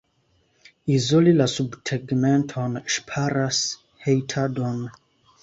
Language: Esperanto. Izoli la subtegmenton ŝparas hejtadon.